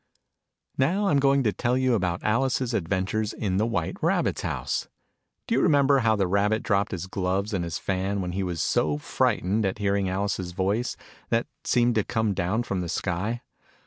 Now I'm going to tell you about Alice's Adventures in the White Rabbit's house. Do you remember how the Rabbit dropped his gloves and his fan, when he was so frightened at hearing Alice's voice, that seemed to come down from the sky